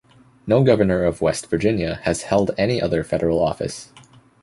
No governor of West Virginia has held any other federal office.